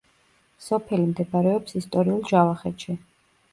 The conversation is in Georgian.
სოფელი მდებარეობს ისტორიულ ჯავახეთში.